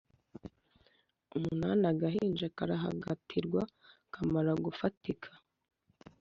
umunani. Agahinja karahagatirwa, kamara gufatika